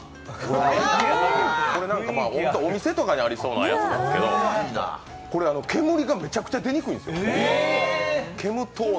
これ、お店とかにありそうなやつなんですけど、煙がめちゃくちゃ出にくいんですよ。